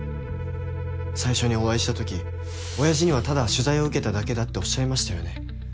最初にお会いしたとき親父にはただ取材を受けただけだっておっしゃいましたよね。